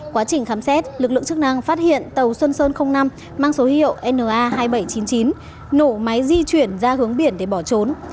quá trình khám xét lực lượng chức năng phát hiện tàu xuân sơn năm mang số hiệu na hai nghìn bảy trăm chín mươi chín nổ máy di chuyển ra hướng biển để bỏ trốn